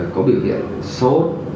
có biểu hiện sốt